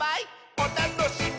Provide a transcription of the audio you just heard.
おたのしみ！」